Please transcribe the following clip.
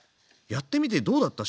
やってみてどうだった？